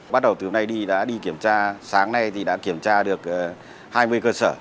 bắt đầu từ hôm nay đi đã đi kiểm tra sáng nay thì đã kiểm tra được hai mươi cơ sở